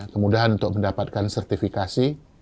kemudahan untuk mendapatkan sertifikasi